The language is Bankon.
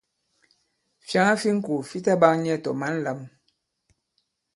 Fyàŋa fi ŋko fi ta ɓak nyɛ tɔ̀ mǎn lām.